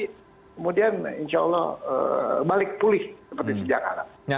kemudian insya allah balik pulih seperti sejak anak